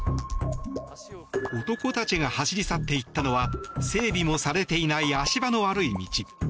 男たちが走り去っていったのは整備もされていない足場の悪い道。